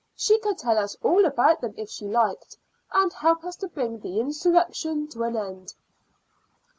She could tell us all about them if she liked, and help us to bring the insurrection to an end."